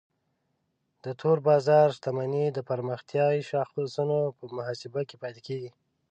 د تور بازار شتمنۍ د پرمختیایي شاخصونو په محاسبه کې پاتې کیږي.